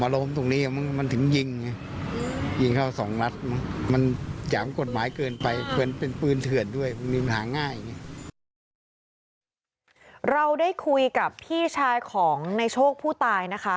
เราได้คุยกับพี่ชายของในโชคผู้ตายนะคะ